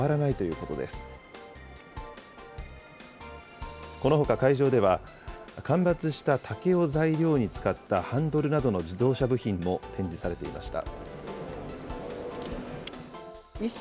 このほか会場では、間伐した竹を材料に使ったハンドルなどの自動車部品も展示されていました。